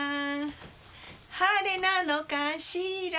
「晴れなのかしら」